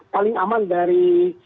paling aman dari